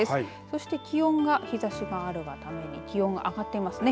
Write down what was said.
そして気温が日ざしがあるため気温が上がってますね。